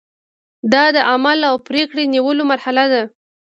دا د عمل او پریکړې نیولو مرحله ده.